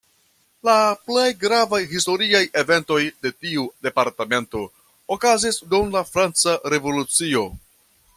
La plej gravaj historiaj eventoj de tiu departemento okazis dum la franca Revolucio.